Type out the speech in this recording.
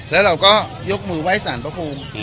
แล้วเราก็ยกมือไหว้สารพระภูมิ